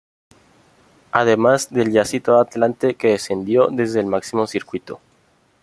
Además del ya citado Atlante que descendió desde el máximo circuito.